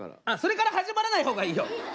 あっそれから始まらない方がいいよ。